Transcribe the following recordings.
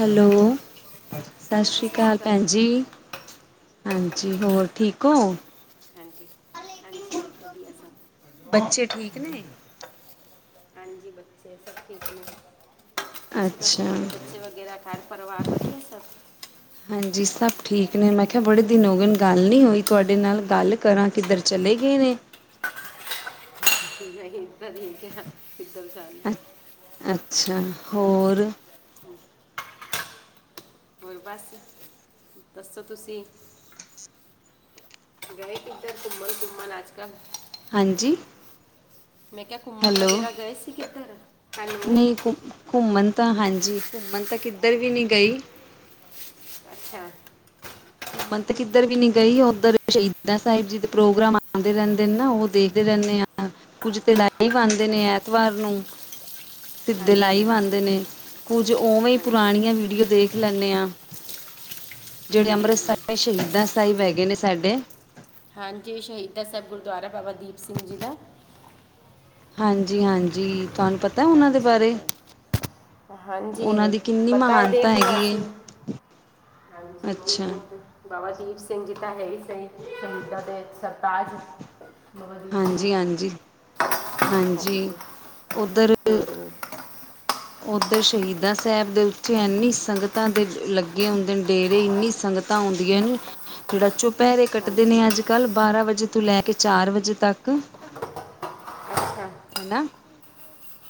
Hello ਸਤਿ ਹਾਂਜੀ ਸ਼੍ਰੀ ਸਤਿ ਅਕਾਲ ਭੈਣ ਦੀਦੀ ਜੀ। ਸਤਿ ਹਾਂਜੀ ਸ਼੍ਰੀ ਅਕਾਲ ਹੋਰ ਠੀਕ ਹੋ। ਹਾਂਜੀ ਹਾਂਜੀ ਵਧੀਆ ਸਭ ਬੱਚੇ ਠੀਕ ਨੇ। ਹਾਂਜੀ ਬੱਚੇ ਸਭ ਠੀਕ ਨੇ। ਤੁਸੀਂ ਦੱਸੋ ਅੱਛਾ ਵੱਡੇ ਬੱਚੇ ਵਗੈਰਾ ਘਰ ਪਰਿਵਾਰ ਵਧੀਆ ਸਭ। ਹਾਂਜੀ ਸਭ ਠੀਕ ਨੇ ਮੈਂ ਕਿਹਾ ਬੜੇ ਦਿਨ ਹੋ ਗਏ ਗੱਲ ਨਹੀਂ ਹੋਈ ਤੁਹਾਡੇ ਨਾਲ ਗੱਲ। ਕਰਾਂ ਕਿੱਧਰ ਚਲੇ ਗਏ ਨੇ। ਨਹੀਂ ਇਧਰ ਨਹੀਂ ਕਿਹਾ। ਕਿੱਧਰ ਜਾਂਦੀ ਅ ਅੱਛਾ ਹੋਰ [unintelligible] ਹੋਰ ਬਸ ਦੱਸੋ ਤੁਸੀਂ। ਗਏ ਕਿੱਧਰ ਘੰਮਣ ਘੰਮਣ ਅੱਜ ਕੱਲ। ਹਾਂਜੀ। ਮੈਂ ਕਿਹਾ ਘੁੰਮਣ ਹੈਲੋ ਵਗੈਰਾ ਗਏ ਸੀ ਕਿੱਧਰ। ਹੈਲੋ ਨਹੀਂ ਘੁੰਮਣ ਤਾਂ ਹਾਂਜੀ ਘੁੰਮਣ ਤਾਂ ਕਿੱਧਰ ਵੀ ਨਹੀਂ ਗਈ। ਅੱਛਾ। ਘੁੰਮਣ ਤੇ ਕਿੱਧਰ ਵੀ ਨੀ ਗਈ ਉੱਧਰ ਸ਼ਹੀਦਾਂ ਸਾਹਿਬ ਜੀ ਦੇ ਪ੍ਰੋਗਰਾਮ ਆਉਂਦੇ ਰਹਿੰਦੇ ਨੇ ਨਾ ਉਹ ਦੇਖ। ਰਹਿੰਦੇ ਹਾਂ ਕੁੱਝ ਤੇ ਲਾਈ ਆਉਦੇ ਅੱਛਾ ਨੇ ਅੱਛਾ ਐਤਵਾਰ ਨੂੰ। ਸਿੱਧੇ ਹਾਂਜੀ ਲਾਈਵ ਹਾਂਜੀ ਆਉਂਦੇ ਨੇ ਕੁੱਝ ਉਵੇਂ ਹਾਂਜੀ ਪੁਰਾਣੀਆਂ ਵੀਡੀਓ ਦੇਖ। ਦੇਖ ਲੈਂਦੇ ਹਾਂ ਜਿਹੜੇ ਅੰਮ੍ਰਿਤਸਰ ਸ਼ਹੀਦਾਂ ਸਾਹਿਬ ਹੈਗੇ ਨੇ ਸਾਡੇ। ਹਾਂਜੀ ਸ਼ਹੀਦਾਂ ਸਾਹਿਬ ਗੁਰਦੁਆਰਾ ਬਾਬਾ ਦੀਪ ਸਿੰਘ ਜੀ ਦਾ। ਹਾਂਜੀ ਹਾਂਜੀ ਤੁਹਾਨੂੰ ਪਤਾ। ਉਹਨਾਂ ਦੇ ਹਾਂਜੀ। ਬਾਰੇ ਹਾਂਜੀ ਉਹਨਾਂ ਦੀ ਕਿੰਨੀ ਪਤਾ ਹੈ ਮਹਾਨਤਾ ਦੇਖਲੋ ਹੈਗੀ ਏ ਅਸੀਂ ਹਾਂਜੀ ਉਹ ਵੀ ਅੱਛਾ ਬਹੁਤ ਬਾਬਾ ਦੀਪ ਸਿੰਘ ਜੀ ਤਾਂ ਹੈ ਸਹੀ ਸ਼ਹੀਦਾਂ ਦੇ ਸਰਤਾਜ ਬਾਬਾ ਦੀਪ ਸਿੰਘ ਜੀ ਹਾਂਜੀ-ਹਾਂਜੀ [unintelligible] ਉਧਰ ਹੂ,,, ਉੱਧਰ ਸ਼ਹੀਦਾਂ ਸਾਹਿਬ ਦੇ ਉੱਥੇ ਇੰਨੀ ਸੰਗਤਾਂ ਦੇ ਲੱਗੇ ਹੁੰਦੇ ਨੇ ਡੇਰੇ ਇੰਨੀ ਸੰਗਤ ਹੁੰਂਦੀਆਂ ਨੇ ਜਿਹੜਾ ਚੁਪੈਰੇ ਕੱਟਦੇ ਹਾਂਜੀ ਨੇ ਅੱਜ ਕੱਲ ਬਾਰਾਂ ਵਜੇ ਤੋਂ ਲੈ ਕੇ ਚਾਰ ਵਜੇ ਤੱਕ, ਅੱਛਾ ਹਨਾ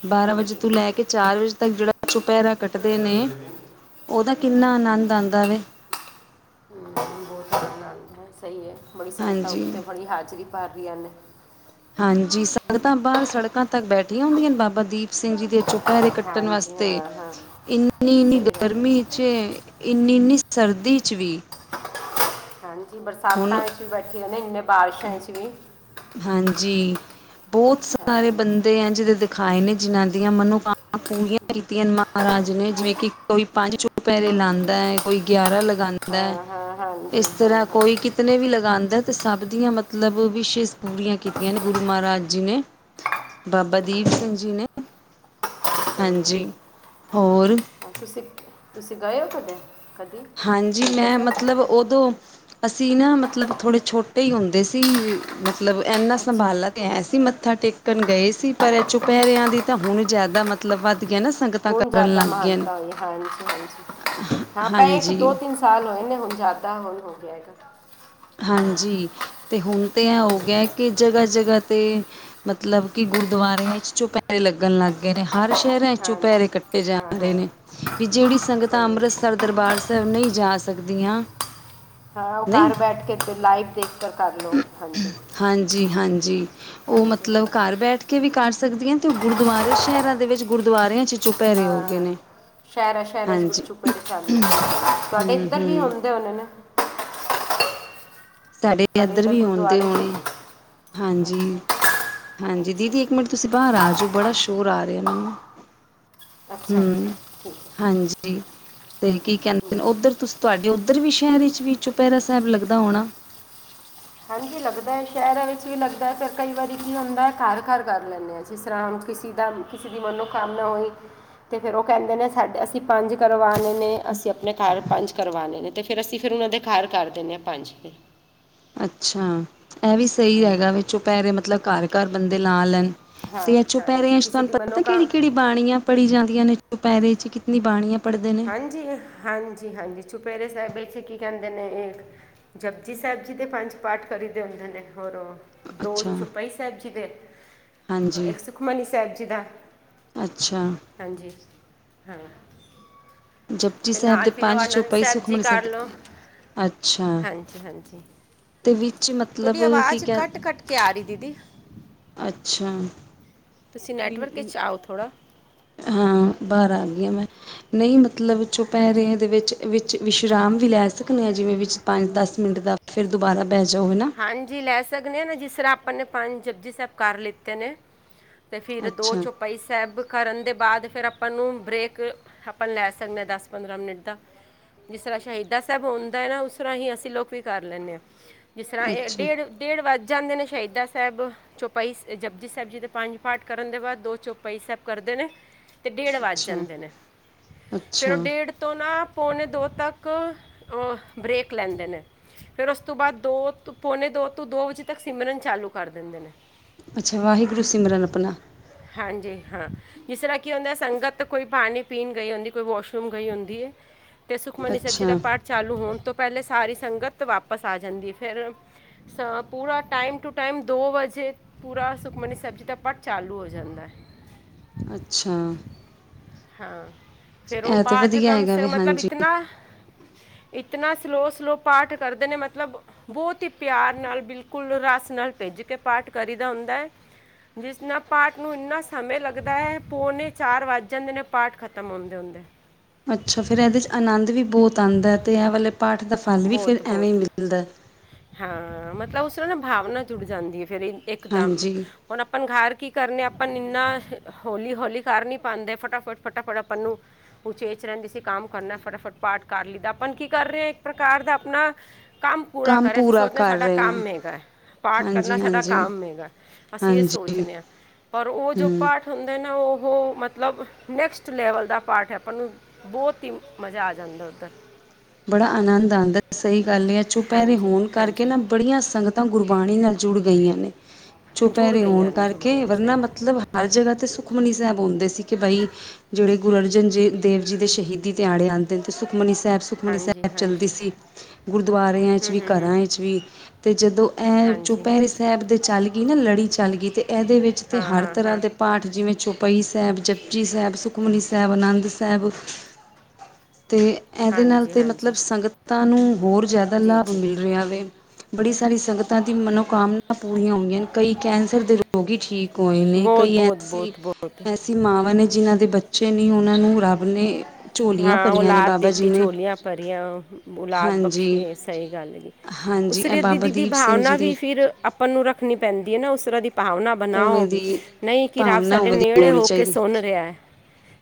ਬਾਰਾਂ ਵਜੇ ਹਾਂਜੀ ਤੋਂ ਲੈ ਕੇ ਚਾਰ ਵਜੇ ਤੱਕ ਜਿਹੜਾ ਚੁਪਹਿਰਾ ਕੱਟਦੇ ਨੇ ਉਹਦਾ ਕਿੰਨਾ ਆਨੰਦ ਆਉਂਦਾ ਵੇ, ਹੂ ਬਹੁਤ ਅਨੰਦ ਹੈ ਸਹੀ ਹੈ ਬੜੀ ਸੰਗਤਾਂ ਹਾਂਜੀ ਉੱਥੇ ਬੜੀ ਹਾਜ਼ਰੀ ਭਰ ਰਹੀਆਂ ਨੇ। ਹਾਂਜੀ ਸੰਗਤਾਂ ਬਾਹਰ ਸੜਕਾਂ ਤੱਕ ਬੈਠੀਆਂ ਹੁੰਦੀਆਂ ਨੇ ਬਾਬਾ ਦੀਪ ਸਿੰਘ ਜੀ ਦੇ। ਪੈਰੇ ਕੱਟਣ ਹਾਂਜੀ ਵਾਸਤੇ ਹਾਂ ਹਾਂ ਇੰਨੀ ਇਨੀ ਸਹੀ ਗੱਲ ਗਰਮੀ ਹੈ ਚ। ਇੰਨੀ ਇੰਨੀ ਸਰਦੀ 'ਚ ਵੀ। ਹਾਂਜੀ ਹੁਣ ਬਰਸਾਤਾਂ ਵਿੱਚ ਵੀ ਬੈਠੇ ਇੰਨੇ ਬਾਰਿਸ਼ਾਂ 'ਚ ਵੀ। ਹਾਂਜੀ। ਬਹੁਤ ਸਾਰੇ ਬੰਦੇ ਆ ਜਿਹੜੇ ਦਿਖਾਏ ਨੇ ਜਿਨਾਂ ਦੀਆਂ ਮਨੋਕਾਮਨਾ ਪੂਰੀਆਂ। ਕੀਤੀਆਂ ਮਹਾਰਾਜ ਨੇ ਜਿਵੇਂ ਕਿ ਕੋਈ ਪੰਜ ਚੋ ਪੈਰੇ ਲਾਉਂਦਾ ਹੈ ਕੋਈ ਗਿਆਰਾਂ ਲਗਾਉਂਦਾ ਹੈ। ਹਾਂ ਹਾਂ ਹਾਂਜੀ ਇਸ ਹਾਂ ਤਰ੍ਹਾਂ ਹਾਂ ਕੋਈ ਕਿਤਨੇ ਵੀ ਲਗਾਉਂਦਾ ਤੇ ਸਭ ਦੀਆਂ ਮਤਲਬ ਵਿਸ਼ਿਸ਼। ਪੂਰੀਆਂ ਕੀਤੀਆਂ ਨੇ ਗੁਰੂ ਮਹਾਰਾਜ ਜੀ ਨੇ ਬਾਬਾ ਦੀਪ ਜੀ ਨੇ। ਸਹੀ ਹੈ ਹਾਂਜੀ ਹੋਰ। [unintelligible] ਤੁਸੀਂ ਗਏ ਹੋ ਕਦੇ ਕਦੇ। ਹਾਂਜੀ ਮੈਂ ਮਤਲਬ ਉਦੋਂ ਅਸੀਂ ਨਾ ਮਤਲਬ ਥੋੜੇ ਛੋਟੇ ਹੀ ਹੁੰਦੇ ਸੀ। ਮਤਲਬ ਇੰਨਾ ਅੱਛਾ ਸੰਭਾਲਾ ਐਸੀ ਮੱਥਾ ਟੇਕਣ ਗਏ ਸੀ ਪਰ ਇਹ ਚੁਪਹਿਰਿਆਂ ਦੀ ਤਾਂ ਹੁਣ ਜ਼ਿਆਦਾ ਮਤਲਬ ਵੱਧ ਗਿਆ ਨਾ ਸੰਗਤਾਂ ਕਰਨ ਲੱਗ ਗਈਆਂ ਨੇ, ਹਾਂਜੀ-ਹਾਂਜੀ, ਹਾਂ ਪਏ ਇੱਕ ਦੋ ਹਾਂਜੀ ਤਿੰਨ ਸਾਲ ਹੋਏ ਨੇ ਹੁਣ ਜ਼ਿਆਦਾ ਹੁਣ ਹੋ ਕੇ ਆਏਗਾ। ਹਾਂਜੀ। ਤੇ ਹੁਣ ਤੇ ਇਹ ਹੋ ਗਿਆ ਕਿ ਜਗ੍ਹਾ- ਜਗ੍ਹਾ ਤੇ ਮਤਲਬ ਕਿ ਗੁਰਦੁਆਰਿਆਂ ਵਿੱਚ ਚੁਪੈਰੇ ਲੱਗਣ ਲੱਗ ਗਏ ਨੇ। ਹਰ ਸ਼ਹਿਰਾਂ ਹਾਂ ਚੁਪਹਿਰੇ ਕੱਟੇ ਜਾ ਹਾਂ ਰਹੇ ਹਾਂ ਨੇ ਵੀ ਜਿਹੜੀ ਸੰਗਤਾਂ ਸਹੀ ਹੈ ਅੰਮ੍ਰਿਤਸਰ ਦਰਬਾਰ ਸਾਹਿਬ ਨਹੀਂ ਜਾ ਸਕਦੀਆਂ। ਹਾਂ। ਉਹ ਨਹੀਂ ਘਰ ਬੈਠ ਕੇ ਫਿਰ ਲਾਈਵ ਦੇਖ ਕਰ ਕਰਲੋ। ਹਾਂਜੀ- ਹਾਂਜੀ ਉਹ ਹਾਂਜੀ ਮਤਲਬ ਹਾਂਜੀ ਘਰ ਬੈਠ ਕੇ ਵੀ ਕਰ ਸਕਦੀਆਂ। ਗੁਰਦੁਆਰੇ ਸ਼ਹਿਰਾਂ ਦੇ ਵਿੱਚ ਗੁਰਦੁਆਰਿਆਂ ਚ' ਹਾਂ ਚੁਪਹਿਰੇ ਹੋ ਗਏ ਹਾਂ ਨੇ। ਸ਼ਹਿਰਾ- ਸ਼ਹਿਰਾ ਹਾਂਜੀ ਗੜਚੁਪ ਤੁਹਾਡੇ ਹੂੰ ਇੱਧਰ ਵੀ ਹੂੰ ਹੁੰਦੇ ਹੋਣੇ ਨੇ। ਸਾਡੇ ਤੁਹਾਡੇ ਇੱਧਰ ਵੀ ਹੂਂਦੇ ਗੁਰਦੁਆਰੇ ਚ ਹੋਣੇ। ਅੱਛਾ ਹਾਂਜੀ। ਹਾਂਜੀ। ਅੱਛਾ ਦੀਦੀ ਇੱਕ ਮਿੰਟ ਤੁਸੀਂ ਬਾਹਰ ਆ ਜਾਓ, ਬੜਾ ਸ਼ੋਰ ਆ ਰਿਹਾ ਮੈਨੂੰ। ਅੱਛਾ- ਅੱਛਾ। ਠੀਕ ਹੈ। ਜ ਤੇ ਕੀ ਕਹਿੰਦੇ ਜੀ ਉੱਧਰ ਤੁਸੀ ਤੁਹਾਡੇ ਉੱਧਰ ਵੀ ਸ਼ਹਿਰ ਵਿੱਚ ਵੀ ਚੁਪਹਿਰਾ ਸਾਹਿਬ ਲੱਗਦਾ ਹੋਣਾ। ਹਾਂਜੀ। ਲੱਗਦਾ ਸ਼ਹਿਰਾਂ ਵਿੱਚ ਵੀ ਲੱਗਦਾ, ਫੇਰ ਕਈ ਵਾਰੀ ਕੀ ਹੁੰਦਾ ਘਰ- ਘਰ ਕਰ ਲੈਂਦੇ ਹਾਂ। ਜਿਸ ਤਰ੍ਹਾਂ ਕਿਸੇ ਦਾ ਕਿਸੇ ਦੀ ਮਨੋਕਾਮਨਾ ਹੋਈ। ਅਤੇ ਫਿਰ ਉਹ ਕਹਿੰਦੇ ਨੇ ਸਾਡੇ ਅਸੀਂ ਪੰਜ ਕਰਵਾਉਣੇ ਨੇ, ਅਸੀਂ ਆਪਣੇ ਘਰ ਪੰਜ ਕਰਵਾਉਣੇ ਨੇ। ਤੇ ਫੇਰ ਅਸੀਂ ਫਿਰ ਉਹਨਾਂ ਦੇ ਘਰ ਕਰ ਦਿੰਦੇ ਹਾਂ ਪੰਜ। ਅੱਛਾ। ਇਹ ਵੀ ਸਹੀ ਹਾਂ ਹੈਗਾ। ਚੁਪੈਹਿਰੇ ਮਤਲਬ, ਘਰ- ਘਰ ਬੰਦੇ ਲਾ ਲੈਣ। ਤੇ ਹਾਂ, ਇਹ ਹਾਂਜੀ। ਚੁਪਹਿਰਿਆਂ 'ਚ ਕਿਸੇ ਤੁਹਾਨੂੰ ਦੀ ਪਤਾ ਮਨੋਕਾਮ ਕਿਹੜੀ-ਕਿਹੜੀ ਬਾਣੀਆਂ ਪੜੀ ਜਾਂਦੀਆਂ ਨੇ ਚੁਪਹਿਰੇ ਚ' ਕਿਤਨੀ ਬਾਣੀਆਂ। ਪੜ੍ਹਦੇ ਨੇ? ਹਾਂਜੀ-ਹਾਂਜੀ-ਹਾਂਜੀ, ਚੁਪੇਰੇ ਸਾਹਿਬ ਇਥੇ ਕੀ ਕਹਿੰਦੇ ਨੇ ਇਹ, ਜਪਜੀ ਸਾਹਿਬ ਜੀ ਦੇ ਪੰਜ ਪਾਠ ਕਰੀਦੇ ਹੁੰਦੇ ਨੇ। ਹੋਰ ਦੋ ਅੱਛਾ, ਚੋਪਾਈ ਸਾਹਿਬ ਜੀ ਦੇ ਹਾਂਜੀ, ਇੱਕ ਸੁਖਮਨੀ ਸਾਹਿਬ ਜੀ ਦਾ ਅੱਛਾ। ਹਾਂਜੀ। ਹਾਂ। ਜਪਜੀ ਤੇ ਸਾਹਿਬ ਨਾਲ ਦੇ ਫਿਰ ਉਹ ਪੰਜ ਆਨੰਦ ਚੌਪਈ, ਸਾਹਿਬ ਜੀ ਸੁਖਮਨੀ ਕਰ ਦੇ ਲਓ। ਅੱਛਾ, ਹਾਂਜੀ -ਹਾਂਜੀ। ਤੇ ਵਿੱਚ ਤੁਹਾਡੀ ਮਤਲਬ ਕੀ ਆਵਾਜ਼ ਕਹਿ ਘੱਟ -ਘੱਟ ਕਿਆ ਰਹੀ ਦੀਦੀ। ਅੱਛਾ। ਤੁਸੀਂ ਨੈਟਵਰਕ ਕੋਈ ਥੋੜ੍ਹਾ ਹਾਂ। ਬਾਹਰ ਆ ਗਈਆਂ ਮੈਂ। ਨਹੀਂ, ਮਤਲਬ ਹਾਂਜੀ ਚੁਪਹਿਰੇ ਦੇ ਵਿੱਚ ਵਿੱਚ ਵਿਸ਼ਰਾਮ ਵੀ ਲੈ ਸਕਦੇ ਹਾਂ। ਜਿਵੇਂ ਵਿੱਚ ਪੰਜ -ਦਸ ਮਿੰਟ ਦਾ ਫਿਰ ਦੁਬਾਰਾ ਬਹਿ ਜਾਓ ਨਾ। ਹਾਂਜੀ। ਲੈ ਸਕਦੇ ਹਾਂ, ਨਾ ਜਿਸ ਤਰ੍ਹਾਂ ਆਪਾਂ ਨੇ ਪੰਜ ਜਪੁਜੀ ਸਾਹਿਬ ਕਰ ਲਿੱਤੇ ਨੇ। ਅਤੇ ਫਿਰ ਦੋ ਅੱਛਾ ਚੁਪਾਈ ਸੈਬ ਕਰਨ ਦੇ ਬਾਅਦ ਫਿਰ ਆਪਾਂ ਨੂੰ ਬਰੇਕ ਆਪਾਂ ਲੈ ਸਕਦੇ ਹਾਂ ਦਸ -ਪੰਦਰਾਂ ਮਿੰਟ ਦਾ। ਜਿਸ ਤਰ੍ਹਾਂ ਸ਼ਹੀਦਾ ਸਾਹਿਬ ਹੁੰਦਾ ਹੈ ਨਾ ਉਸ ਤਰ੍ਹਾਂ ਹੀ ਅਸੀਂ ਲੋਕ ਵੀ ਕਰ ਲੈਂਦੇ ਹਾਂ। ਜਿਸ ਤਰ੍ਹਾਂ ਇਹ ਅੱਛਾ ਡੇਢ- ਡੇਢ ਵੱਜ ਜਾਂਦੇ ਨੇ ਸ਼ਹੀਦਾ ਸਾਹਿਬ। ਚੌਪਾਈ ਜਪਜੀ ਸਾਹਿਬ ਜੀ ਦੇ ਪੰਜ ਪਾਠ ਕਰਨ ਦੇ ਬਾਅਦ, ਦੋ ਚੌਪਾਈ ਸਾਹਿਬ ਕਰਦੇ ਨੇ। ਅਤੇ ਡੇਢ ਵੱਜ ਅੱਛਾ ਜਾਂਦੇ ਨੇ। ਫਿਰ ਉਹ ਅੱਛਾ ਡੇਢ ਤੋਂ ਨਾ ਪੌਣੇ ਦੋ ਤੱਕ ਬਰੇੇਕ ਲੈਂਦੇ ਨੇ। ਫਿਰ ਉਸ ਤੋਂ ਬਾਅਦ ਦੋ ਪੌਨ ਦੋ ਤੋਂ ਦੋ ਵਜੇ ਤੱਕ ਸਿਮਰਨ ਚਾਲੂ ਕਰ ਦਿੰਦੇ ਨੇ। ਅੱਛਾ। ਵਾਹਿਗੁਰੂ ਸਿਮਰਨ ਆਪਣਾ। ਹਾਂਜੀ। ਹਾਂ, ਜਿਸ ਤਰ੍ਹਾਂ ਕੀ ਹੁੰਦਾ ਸੰਗਤ ਕੋਈ ਪਾਣੀ ਪੀਣ ਗਈ ਹੁੰਦੀ, ਕੋਈ ਵਾਸ਼ਰੂਮ ਗਈ ਹੁੰਦੀ ਹੈ। ਅਤੇ ਸੁਖਮਨੀ ਸਾਹਿਬ ਜੀ ਦਾ ਅੱਛਾ ਪਾਠ ਚਾਲੂ ਹੋਣ ਤੋਂ ਪਹਿਲੇ ਸਾਰੀ ਸੰਗਤ ਵਾਪਸ ਆ ਜਾਂਦੀ। ਫਿਰ ਅ ਪੂਰਾ ਟਾਈਮ ਟੂ ਟਾਈਮ ਦੋ ਵਜੇ ਪੂਰਾ ਸੁਖਮਨੀ ਸਾਹਿਬ ਦਾ ਪਾਠ ਚਾਲੂ ਹੋ ਜਾਂਦਾ। ਅੱਛਾ। ਹਾਂ। ਫੇਰ ਉਹ ਇਹ ਤਾਂ ਪਾਠ ਵਧੀਆ ਕਮ ਹੈਗਾ ਸ ਵੇ ਮਤਲਬ ਹਾਂਜੀ ਇਤਨਾ ਇਤਨਾ ਸਲੋਅ- ਸਲੋ ਪਾਠ ਕਰਦੇ ਨੇ। ਮਤਲਬ ਬਹੁਤ ਹੀ ਪਿਆਰ ਨਾਲ ਬਿਲਕੁਲ ਰਸ ਨਾਲ ਭਿੱਜ ਕੇ ਪਾਠ ਕਰੀਦਾ ਹੁੰਦਾ ਹੈ। ਜਿਸ ਨਾਲ ਪਾਠ ਨੂੰ ਇੰਨਾ ਸਮੇਂ ਲੱਗਦਾ ਹੈ ਪੌਨ ਚਾਰ ਵੱਜ ਜਾਂਦੇ ਨੇ। ਪਾਠ ਖਤਮ ਹੁੰਦੇ-ਹੁੰਦੇ ਅੱਛਾ ਫੇਰ ਇਹਦੇ ਚ ਆਨੰਦ ਵੀ ਬਹੁਤ ਆਂਦਾ ਹੈ ਤੇ ਇਹ ਵਾਲੇ ਪਾਠ ਦਾ ਫਲ ਵੀ ਫਿਰ ਐਵੇਂ ਹੀ ਬਹੁਤ-ਬਹੁਤ, ਮਿਲਦਾ ਹਾਂ ਮਤਲਬ ਉਸ ਵੇਲੇ ਨਾ ਭਾਵਨਾ ਜੁੜ ਜਾਂਦੀ ਹੈ ਫੇਰ ਇਹ ਇਕਦਮ, ਹਾਂਜੀ ਹੁਣ ਆਪਾਂ ਘਰ ਕੀ ਕਰਨੇ ਆਪਾਂ ਇੰਨਾ ਹੋਲੀ-ਹੋਲੀ ਕਰ ਨੀ ਪਾਂਦੇ ਫਟਾਫਟ ਫਟਾਫਟ ਆਪਾਂ ਨੂੰ ਉਚੇਚ ਰਹਿੰਦੇ ਸੀ ਕੰਮ ਕਰਨਾ ਫਟਾਫਟ ਪਾਠ ਕਰ ਲਈਦਾ ਆਪਾਂ ਕੀ ਕਰ ਰਹੇ ਹਾਂ ਪ੍ਰਕਾਰ ਦਾ ਆਪਣਾ, ਕੰਮ ਪੂਰਾ ਕਰਿਆ ਅਸੀਂ ਸੋਚਣਾ ਕਰ ਸਾਡਾ ਰਹੇ ਹਾਂ ਕੰਮ ਹੈਗਾ, ਪਾਠ ਕਰਨਾ ਹਾਂਜੀ ਸਾਡਾ ਹਾਂਜੀ ਕੰਮ ਹੈਗਾ। ਅਸੀਂ ਇਹ ਹਾਂਜੀ ਸੋਚਦੇ ਹਾਂ, ਪਰ ਉਹ ਜੋ ਹੂੰ ਪਾਠ ਹੁੰਦਾ ਨਾ ਉਹ ਉਹ ਮਤਲਬ ਨੈਕਸਟ ਲੈਵਲ ਦਾ ਪਾਠ ਹੈ ਆਪਾਂ ਨੂੰ ਬਹੁਤ ਹੀ ਮਜ਼ਾ ਆ ਜਾਂਦਾ ਉੱਧਰ। ਬੜਾ ਆਨੰਦ ਆਉਂਦਾ ਸਹੀ ਗੱਲ ਆ ਚੁਪਹਿਰੇ ਹਾਂਜੀ ਹੋਣ ਕਰਕੇ ਹਾਂਜੀ ਨਾ ਬੜੀਆਂ ਸੰਗਤਾਂ ਗੁਰਬਾਣੀ ਨਾਲ ਜੁੜ ਗਈਆਂ ਨੇ। ਜੁੜ ਚੁਪਹਿਰੇ ਹੋਣ ਗਈਆਂ ਨੇ ਜੁੜ ਕਰਕੇ ਗਈਆਂ ਨੇ ਵਰਨਾ ਸਹੀ ਮਤਲਬ ਹਰ ਜਗ੍ਹਾ 'ਤੇ ਸੁਖਮਨੀ ਸਾਹਿਬ ਹੁੰਦੇ ਸੀ ਕਿ ਬਈ ਜਿਹੜੇ ਗੁਰੂ ਅਰਜਨ ਦੇਵ ਜੀ ਦੇ ਸ਼ਹੀਦੀ ਦਿਹਾੜੇ ਆਉਂਦੇ ਨੇ ਤੇ ਸੁਖਮਨੀ ਸਾਹਿਬ ਸੁਖਮਨੀ ਹਾਂਜੀ ਸਾਹਿਬ ਚੱਲਦੀ ਹਾਂਜੀ ਸੀ। ਗੁਰਦੁਆਰਿਆਂ ਚ ਹੂੰ ਵੀ, ਹੂੰ ਹੂੰ ਘਰਾਂ ਵਿਚ ਵੀ ਤੇ ਜਦੋਂ ਇਹ ਹਾਂਜੀ ਚੁਪਹਿਰੇ ਸਾਹਿਬ ਦੇ ਚੱਲ ਗਈ ਨਾ ਲੜੀ ਚੱਲ ਗਈ ਅਤੇ ਇਹਦੇ ਵਿੱਚ ਤਾਂ ਹਾਂ ਹਰ ਹਾਂ ਤਰ੍ਹਾਂ ਹਾਂ ਦੇ ਪਾਠ ਜਿਵੇਂ ਚੌਪਈ ਸਾਹਿਬ, ਜਪਜੀ ਸਾਹਿਬ, ਸੁਖਮਨੀ ਸਾਹਿਬ, ਆਨੰਦ ਸਾਹਿਬ ਤੇ ਇਹਦੇ ਨਾਲ ਹਾਂਜੀ ਤਾਂ ਮਤਲਬ ਹਾਂਜੀ ਸੰਗਤਾਂ ਨੂੰ ਹੋਰ ਜ਼ਿਆਦਾ ਲਾਭ ਮਿਲ ਰਿਹਾ ਵੇ। ਬੜੀ ਸਾਰੀ ਸੰਗਤਾਂ ਦੀ ਮਨੋਕਾਮਨਾ ਪੂਰੀਆਂ ਹੋਈਆਂ ਨੇ। ਕਈ ਕੈਂਸਰ ਦੇ ਰੋਗ ਹੀ ਠੀਕ ਹੋਏ ਨੇ ਕਈ ਐਸੀ ਅਸੀਂ ਮਾਵਾਂ ਨੇ ਜਿਨ੍ਹਾਂ ਦੇ ਬੱਚੇ ਨਹੀਂ ਉਹਨਾਂ ਨੂੰ ਰੱਬ ਨੇ ਝੋਲੀਆਂ ਹਾਂ ਭਰੀਆਂ ਨੇ ਔਲਾਦ ਬਾਬਾ ਜੀ ਦਿੱਤੀ ਨੇ ਚੋਲੀਆਂ ਭਰੀਆਂ। ਔਲਾਦ ਬਖਸ਼ੀ ਹਾਂਜੀ ਹੈ ਸਹੀ ਗੱਲ ਜੀ। ਹਾਂਜੀ ਇਹ ਉਸਰੀ ਦੀ ਬਾਬਾ ਦੀਦੀ ਦੀਪ ਸਿੰਘ ਭਾਵਨਾ ਜੀ ਵੀ ਦੀ ਫਿਰ ਆਪਾਂ ਨੂੰ ਰੱਖਣੀ ਪੈਂਦੀ ਹੈ ਨਾ ਉਸ ਤਰ੍ਹਾਂ ਦੀ ਭਾਵਨਾ ਉਵੇਂ ਬਣਾਓ, ਦੀ ਨਹੀਂ ਕਿ ਰੱਬ ਭਾਵਨਾ ਸਾਡੇ ਉਵੇਂ ਦੀ ਨੇੜੇ ਹੋਣੀ ਹੋ ਕੇ ਚਾਹੀਦੀ ਸੁਣ ਰਿਹਾ ਹੈ।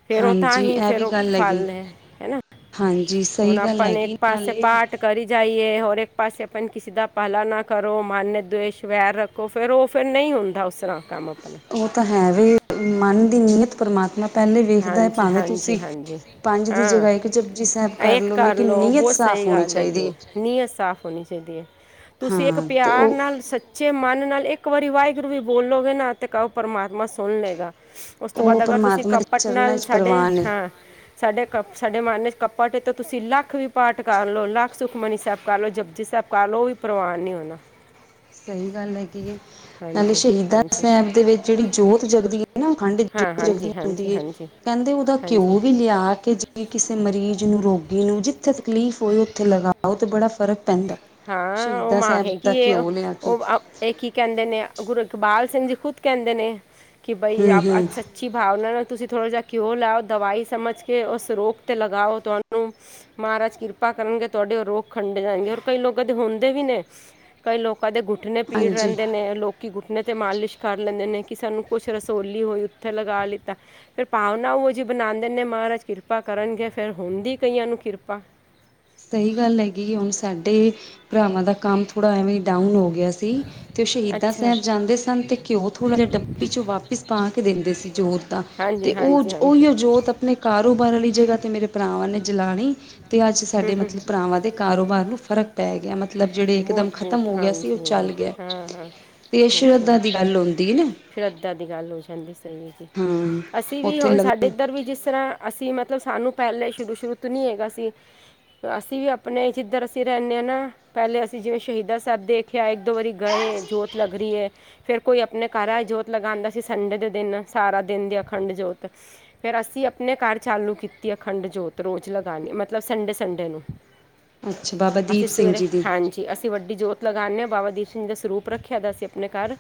ਫਿਰ ਉਹ ਤਾਂ ਹਾਂਜੀ ਹੀਂ ਇਹ ਫਿਰ ਵੀ ਉਹ ਗੱਲ ਹੈਗੀ ਫਲ ਹੈ ਹੈ ਨਾ ਹਾਂਜੀ ਹੁਣ ਸਹੀ ਗੱਲ ਆਪਾਂ ਨੇ ਇੱਕ ਹੈਗੀ ਪਾਸੇ ਨਾਲੇ ਪਾਠ ਕਰੀ ਜਾਈਏ ਔਰ ਇੱਕ ਪਾਸ ਆਪ ਕਿਸੀ ਦਾ ਭਲਾ ਨਾ ਕਰੋ ਮਾਨਯ ਦਵੇਸ਼ ਵੈਰ ਰੱਖੋ। ਰੱਖੋ ਫਿਰ ਉਹ ਫਿਰ ਨਹੀਂ ਹੁੰਦਾ ਉਸ ਤਰ੍ਹਾਂ ਕੰਮ ਆਪਣਾ। ਉਹ ਤਾਂ ਹੈ ਵੀ ਮਨ ਦੀ ਨੀਅਤ ਪਰਮਾਤਮਾ ਪਹਿਲੇ ਵੇਖਦਾ ਹੈ ਹਾਂਜੀ ਭਾਵੇਂ ਹਾਂਜੀ ਤੁਸੀਂ, ਹਾਂਜੀ ਪੰਜ ਦੀ ਜਗ੍ਹਾ ਹਾਂ ਇੱਕ ਜਪਜੀ ਸਾਹਿਬ ਕਰ ਇੱਕ ਲਓ ਲੇਕਿਨ ਨੀਅਤ ਬਹੁਤ ਸਾਫ਼ ਸਹੀ ਹੋਣੀ ਚਾਹੀਦੀ। ਗੱਲ ਹੈ ਨੀਅਤ ਸਾਫ਼ ਹੋਣੀ ਚਾਹੀਦੀ ਹੈ। ਤੁਸੀਂ ਇੱਕ ਹਾਂ ਤੇ ਪਿਆਰ ਉਹ ਨਾਲ ਸ ਸੱਚੇ ਮਨ ਨਾਲ ਇੱਕ ਵਾਰੀ ਵਾਹਿਗੁਰੂ ਵੀ ਬੋਲੋਗੇ ਨਾ ਤੇ ਕਹੋ ਪਰਮਾਤਮਾ ਸੁਣ ਲਏਗਾ ਉਸ ਤੋਂ ਉਹ ਬਾਅਦ ਅਗਰ ਤੁਸੀਂ ਪਰਮਾਤਮਾ ਦੇ ਕੱਪਟ ਚਰਨਾਂ ਨਾਲ ਵਿੱਚ ਸਾਡੇ ਪ੍ਰਵਾਨ ਨੇ ਹਾਂ ਸਾਡੇ ਕਪ ਸਾਡੇ ਮਨ 'ਚ ਕੱਪਟ ਤੋਂ ਤੁਸੀਂ ਲੱਖ ਵੀ ਪਾਠ ਕਰ ਲਓ, ਲੱਖ ਸੁਖਮਨੀ ਸਾਹਿਬ ਕਰ ਲਓ, ਜਪਜੀ ਸਾਹਿਬ ਕਰ ਲਓ ਉਹ ਵੀ ਪ੍ਰਵਾਨ ਨੀ ਹੋਣਾ। ਸਹੀ ਗੱਲ ਹੈ ਕਿ ਪਹਿਲੇ ਹਾਂਜੀ ਸ਼ਹੀਦਾਂ ਹਾਂਜੀ ਸਾਹਿਬ ਦੇ ਵਿੱਚ ਜਿਹੜੀ ਜੋਤ ਜਗਦੀ ਹੈ ਨਾ ਅਖੰਡ ਹਾਂ ਜੋਤ ਹਾਂਜੀ ਜਗਦੀਆਂ ਹੁੰਦੀ ਹੁੰਦੀ ਹਾਂਜੀ ਏ, ਹਾਂਜੀ ਕਹਿੰਦੇ ਉਹਦਾ ਘਿਓ ਹਾਂਜੀ ਵੀ ਲਿਆ ਕੇ ਜੇ ਕਿ ਕਿਸੇ ਮਰੀਜ਼ ਨੂੰ, ਰੋਗੀ ਨੂੰ ਜਿੱਥੇ ਤਕਲੀਫ਼ ਹੋਏ ਉੱਥੇ ਲਗਾਓ ਅਤੇ ਬੜਾ ਫ਼ਰਕ ਪੈਂਦਾ। ਹਾਂ ਉਹ ਸ਼ਹੀਦਾਂ ਮਾਂ ਸਾਹਿਬ ਦਾ ਹੈਗੀ ਇਹ। ਘਿਓ ਲਿਆ ਕੇ ਉਹ ਇਹ ਕੀ ਕਹਿੰਦੇ ਨੇ ਗੁਰੂ ਇਕਬਾਲ ਸਿੰਘ ਜੀ ਖੁਦ ਕਹਿੰਦੇ ਨੇ, ਕਿ ਬਈ ਹੂੰ ਅ ਹੂੰ ਅੱਛਾ ਅੱਛੀ ਭਾਵਨਾ ਨਾਲ ਤੁਸੀਂ ਥੋੜ੍ਹਾ ਜਿਹਾ ਘਿਉ ਲਾਓ ਦਵਾਈ ਸਮਝ ਕੇ ਉਸ ਰੋਗ ਤੇ ਲਗਾਓ ਤੁਹਾਨੂੰ ਮਹਾਰਾਜ ਕਿਰਪਾ ਕਰਨਗੇ ਤੁਹਾਡੇ ਰੋਗ ਖੰਡ ਜਾਣਗੇ ਔਰ ਕਈ ਲੋਕਾਂ ਦੇ ਹੁੰਦੇ ਵੀ ਨੇ, ਕਈ ਲੋਕਾਂ ਦੇ ਗੁੱਟਣੇ ਪੀੜ ਹਾਂਜੀ ਰਹਿੰਦੇ ਨੇ ਲੋਕ ਕਿ ਗੁੱਟਨੇ 'ਤੇ ਮਾਲਿਸ਼ ਕਰ ਲੈਂਦੇ ਨੇ ਕਿ ਸਾਨੂੰ ਕੁਛ ਰਸੋਲੀ ਹੋਈ ਉੱਥੇ ਲਗਾ ਲਿੱਤਾ। ਫਿਰ ਭਾਵਨਾ ਉਹ ਜਿਹੀ ਬਣਾਦੇ ਨੇ ਮਹਾਰਾਜ ਕਿਰਪਾ ਕਰਨਗੇ ਫਿਰ ਹੁੰਦੀ ਕਈਆਂ ਨੂੰ ਕਿਰਪਾ। ਸਹੀ ਗੱਲ ਹੈਗੀ ਹੁਣ ਸਾਡੇ ਭਰਾਵਾਂ ਦਾ ਕੰਮ ਥੋੜ੍ਹਾ ਐਵੇਂ ਡਾਊਨ ਹੋ ਗਿਆ ਸੀ। ਤੇ ਉਹ ਸ਼ਹੀਦਾਂ ਅੱਛਾ। ਸਾਹਿਬ ਜਾਂਦੇ ਸਨ ਤੇ ਘਿਓ ਥੋੜ੍ਹਾ ਜਿਹਾ ਡੱਬੀ ਚ' ਵਾਪਿਸ ਪਾ ਕੇ ਦਿੰਦੇ ਸੀ ਜੋਤ ਦਾ ਹਾਂਜੀ, ਤੇ ਉਹ ਹਾਂਜੀ, ਹਾਂਜੀ। ਉਹੀ ਜੋਤ ਆਪਣੇ ਕਾਰੋਬਾਰ ਵਾਲੀ ਜਗ੍ਹਾ ਤੇ ਮੇਰੇ ਭਰਾਵਾਂ ਨੇ ਜਲਾਣੀ ਤੇ ਅੱਜ ਸਾਡੇ ਮਤਲਬ ਭਰਾਵਾਂ ਦੇ ਕਾਰੋਬਾਰ ਨੂੰ ਫਰਕ ਪੈ ਗਿਆ। ਮਤਲਬ ਜਿਹੜੇ ਇਕਦਮ ਖਤਮ ਹੋ ਗਿਆ ਸੀ ਉਹ ਚੱਲ ਗਿਆ। ਤੇ ਸ਼ਰਧਾ ਦੀ ਗੱਲ ਹੁੰਦੀ ਨਾ। ਸ਼ਰੱਧਾ ਦੀ ਗੱਲ ਹੋ ਜਾਂਦੀ ਸਹੀ ਹੈ ਜੀ। ਹਾਂ ਅਸੀਂ ਵੀ ਉੱਥੇ ਹੁਣ ਸਾਡੇ ਲੰਗਰ ਇੱਧਰ ਵੀ ਜਿਸ ਤਰ੍ਹਾਂ ਅਸੀਂ ਮਤਲਬ ਸਾਨੂੰ ਪਹਿਲਾਂ ਹੀ ਸ਼ੁਰੂ -ਸ਼ੁਰੂ ਤੋਂ ਨਹੀਂ ਹੈਗਾ ਸੀ। ਅਸੀਂ ਵੀ ਆਪਣੇ ਜਿੱਧਰ ਅਸੀਂ ਰਹਿੰਦੇ ਹਾਂ ਨਾ। ਪਹਿਲੇ ਅਸੀਂ ਜਿਵੇਂ ਸ਼ਹੀਦਾਂ ਸਾਹਿਬ ਦੇਖਿਆ ਇੱਕ ਦੋ ਵਾਰੀ ਗਏ, ਜੋਤ ਲੱਗ ਰਹੀ ਹੈ। ਫੇਿਰ ਕੋਈ ਆਪਣੇ ਘਰ ਜੋਤ ਲਗਾਉਂਦਾ ਸੀ ਸੰਡੇ ਦੇ ਦਿਨ ਸਾਰਾ ਦਿਨ ਦੀ ਅਖੰਡ ਜੋਤ। ਫਿਰ ਅਸੀਂ ਆਪਣੇ ਘਰ ਚਾਲੂ ਕੀਤੀ ਅਖੰਡ ਜੋਤ ਰੋਜ਼ ਲਗਾਉਣੀ। ਮਤਲਬ ਸੰਡੇ- ਸੰਡੇ ਨੂੰ। ਅੱਛਾ ਬਾਬਾ ਦੀਪ ਅਸੀਂ ਸਿੰਘ ਸਵੇਰੇ ਜੀ ਦੀ। ਹਾਂਜੀ ਅਸੀਂ ਵੱਡੀ ਜੋਤ ਲਗਾਦੇ ਹਾਂ ਬਾਬਾ ਦੀਪ ਸਿੰਘ ਜੀ ਦਾ ਸਰੂਪ ਰੱਖਿਆ ਦਾ ਅਸੀਂ ਆਪਣੇ ਘਰ।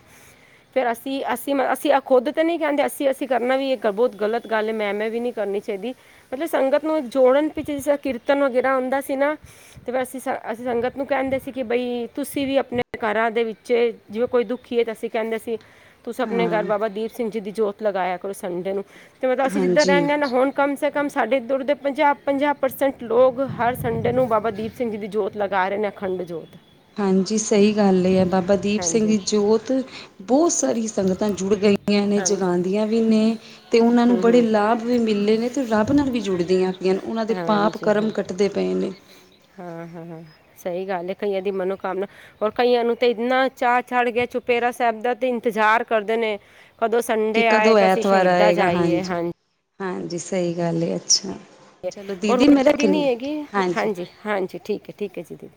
ਫਿਰ ਅਸੀਂ -ਅਸੀਂ ਮ ਅਸੀਂ ਖੁਦ ਤਾਂ ਨਹੀਂ ਕਹਿੰਦੇ ਅਸੀਂ- ਅਸੀਂ ਕਰਨਾ ਵੀ ਇਹ ਬਹੁਤ ਗ਼ਲਤ ਗੱਲ ਹੈ ਮੈਂ- ਮੈਂ ਵੀ ਨਹੀਂ। ਕਰਨੀ ਚਾਹੀਦੀ। ਮਤਲਬ ਸੰਗਤ ਨੂੰ ਜੋੜਨ ਪ ਜਿਸ ਕੀਰਤਨ ਵਗੈਰਾ ਹੁੰਦਾ ਸੀ ਨਾ। ਤੇ ਫਿਰ ਅਸੀਂ ਅਸੀਂ ਸੰਗਤ ਨੂੰ ਕਹਿੰਦੇ ਸੀ ਕਿ ਬਈ ਤੁਸੀਂ ਵੀ ਆਪਣੇ ਘਰਾਂ ਦੇ ਵਿੱਚ ਜਿਵੇਂ ਕੋਈ ਦੁਖੀ ਹੈ ਤਾਂ ਅਸੀਂ ਕਹਿੰਦੇ ਸੀ। ਤੁਸੀਂ ਆਪਣੇ ਘਰ ਹਾਂ ਬਾਬਾ ਦੀਪ ਸਿੰਘ ਜੀ ਦੀ ਜੋਤ ਲਗਾਇਆ ਕਰੋ ਸੰਡੇ ਨੂੰ। ਤੇ ਮਤਲਬ ਅਸੀਂ ਜਿੱਦਾਂ ਹਾਂਜੀ ਰਹਿੰਦੇ ਹਾਂ ਨਾ ਹੁਣ ਕਮ ਸੇ ਕਮ ਸਾਡੇ ਇੱਧਰ ਉ ਦੇ ਪੰਜਾਹ, ਪੰਜਾਹ ਪਰਸੈਂਟ ਲੋਕ ਹਰ ਸੰਡੇ ਨੂੰ ਬਾਬਾ ਦੀਪ ਸਿੰਘ ਜੀ ਦੀ ਜੋਤ ਲਗਾ ਰਹੇ ਨੇ। ਅਖੰਡ ਜੋਤ। ਹਾਂਜੀ, ਸਹੀ ਗੱਲ ਇਹ ਆ ਬਾਬਾ ਦੀਪ ਸਿੰਘ ਹਾਂਜੀ ਦੀ ਜੋਤ ਬਹੁਤ ਸਾਰੀ ਸੰਗਤਾਂ ਜੁੜ ਗਈਆਂ। ਨੇ ਹਾਂਜੀ ਜਗਾਉਂਦੀਆਂ ਵੀ ਨੇ ਤੇ ਉਹਨਾਂ ਹੂੰ ਨੂੰ ਬੜੇ ਹੂੰ ਲਾਭ ਵੀ ਮਿਲੇ ਨੇ ਤੇ ਰੱਬ ਨਾਲ ਵੀ ਜੁੜਦੀਆਂ ਪਈਆਂ ਨੇ ਉਹਨਾਂ ਦੇ ਪਾਪ ਹਾਂਜੀ ਕਰਮ ਹਾਂ ਕੱਟਦੇ ਪਏ ਨੇ। ਹਾਂ- ਹਾਂ- ਹਾਂ ਸਹੀ ਗੱਲ ਹੈ। ਕਈਆ ਦੀ ਮਨੋਕਾਮਨਾ ਰ ਕਈਆਂ ਨੂੰ ਤੇ ਇੰਨਾ ਚਾਹ ਚੜ੍ਹ ਗਿਆ ਚੁਪੇਰਾ ਸਾਹਿਬ ਦਾ ਤੇ ਇੰਤਜ਼ਾਰ ਕਰਦੇ ਨੇ। ਕਦੋਂ ਕਿ ਸੰਡੇ ਆਏ ਕਦੋਂ ਤਾਂ ਅਸੀਂ ਐਤਵਾਰ ਸ਼ਹੀਦਾਂ ਆਏਗਾ ਜਾਈਏ। ਹਾਂਜੀ। ਹਾਂਜੀ, ਸਹੀ ਗੱਲ ਹੈ। ਅੱਛਾ। ਰ ਚਲੋ ਹੁਣ ਦੀਦੀ ਮੈਂ ਤਾਂ ਵੀ ਰੱਖਣੀ ਨੀ ਹੈਗੀ। ਹਾਂਜੀ- ਹਾਂਜੀ ਠੀਕ ਹੈ, ਠੀਕ ਹੈ ਜੀ ਦੀ।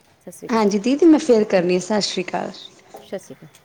ਹਾਂਜੀ, ਦੀਦੀ ਮੈਂ ਫਿਰ ਕਰਨੀ ਆ। ਸਤਿ ਸ਼੍ਰੀ ਅਕਾਲ। ਸਤਿ ਸ਼੍ਰੀ ਅਕਾਲ।